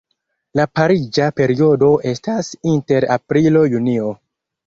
La pariĝa periodo estas inter aprilo-junio.